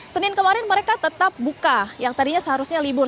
senin kemarin mereka tetap buka yang tadinya seharusnya libur